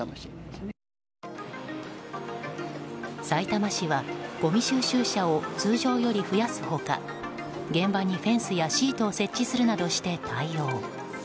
さいたま市はごみ収集車を通常より増やす他現場にフェンスやシートを設置するなどして対応。